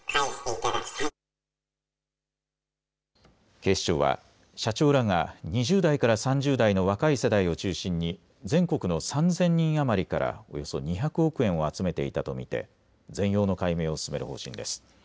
警視庁は社長らが２０代から３０代の若い世代を中心に全国の３０００人余りからおよそ２００億円を集めていたと見て全容の解明を進める方針です。